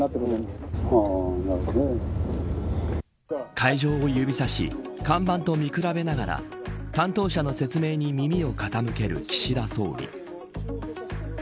海上を指差し看板と見比べながら担当者の説明に耳を傾ける岸田総理。